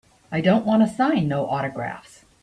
I don't wanta sign no autographs.